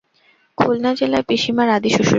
খুলনা জেলায় পিসিমার আদি শ্বশুরবাড়ি।